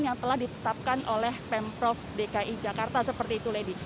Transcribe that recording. yang telah ditetapkan oleh pemprov dki jakarta seperti itu lady